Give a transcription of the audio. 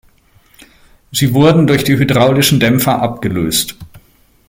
Sie wurden durch die hydraulischen Dämpfer abgelöst.